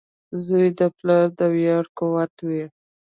• زوی د پلار د ویاړ قوت وي.